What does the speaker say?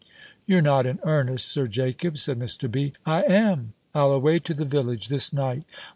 "You're not in earnest, Sir Jacob," said Mr. B. "I am! I'll away to the village this night!